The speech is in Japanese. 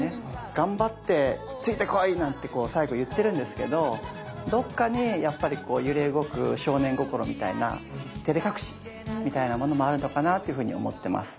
頑張って「ついて来い」なんてこう最後言ってるんですけどどっかにやっぱりこう揺れ動く少年心みたいなてれ隠しみたいなものもあるのかなっていうふうに思ってます。